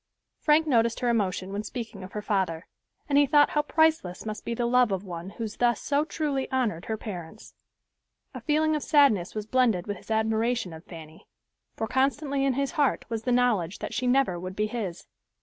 Frank noticed her emotion when speaking of her father, and he thought how priceless must be the love of one who thus so truly honored her parents. A feeling of sadness was blended with his admiration of Fanny, for constantly in his heart was the knowledge that she never would be his.